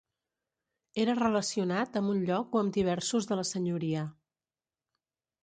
Era relacionat amb un lloc o amb diversos de la senyoria.